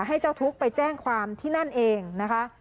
ให้เจ้าทุกข์ไปแจ้งความที่นั่นเองนะคะ